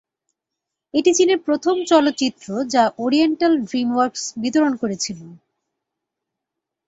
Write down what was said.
এটি চীনের প্রথম চলচ্চিত্র যা "ওরিয়েন্টাল ড্রিম ওয়ার্কস" বিতরণ করেছিল।